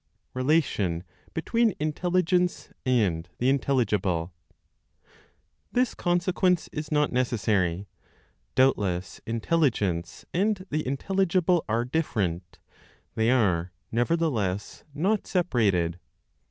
RELATION BETWEEN INTELLIGENCE AND THE INTELLIGIBLE. (This consequence is not necessary). Doubtless Intelligence and the intelligible are different; they are nevertheless not separated.